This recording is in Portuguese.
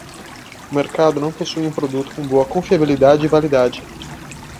O mercado não possui um produto com boa confiabilidade e validade.